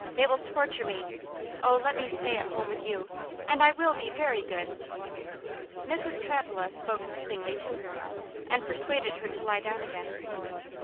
they will torture me! Oh, let me stay at home with you, and I will be very good." Mrs. Travilla spoke soothingly to her, and persuaded her to lie down again.